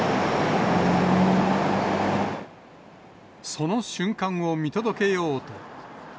その瞬間を見届けようと。